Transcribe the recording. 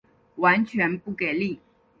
完全不给力